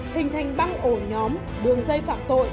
hình thành băng ổ nhóm đường dây phạm tội